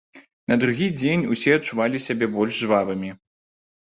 На другі дзень усе адчувалі сябе больш жвавымі.